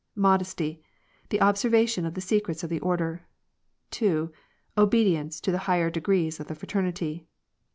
Modesty^ the observation of the secrets of the Order. 2. Obedience to the higher degrees of the Fraternity.